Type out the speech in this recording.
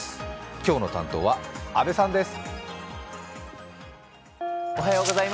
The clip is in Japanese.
今日の担当は阿部さんです。